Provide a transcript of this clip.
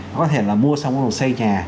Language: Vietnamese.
nó có thể là mua xong rồi xây nhà